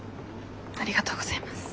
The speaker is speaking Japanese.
ありがとうございます。